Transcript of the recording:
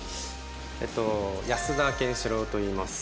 保田賢士郎といいます。